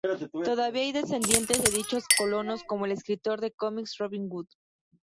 Todavía hay descendientes de dichos colonos como el escritor de cómics Robin Wood.